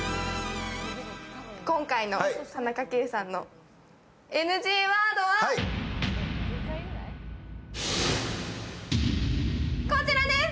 今回の田中圭さんのＮＧワードはこちらです！